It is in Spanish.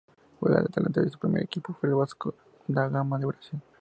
Juega de delantero y su primer equipo fue el Vasco Da Gama de Brasil.